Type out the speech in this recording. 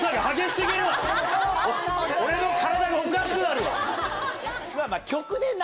俺の体がおかしくなるわ。